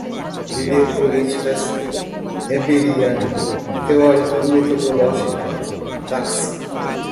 Ideopolíticas, weberiano, teórico-metodológica, práxis